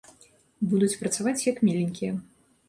Будуць працаваць як міленькія.